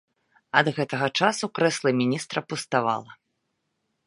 Ад гэтага часу крэсла міністра пуставала.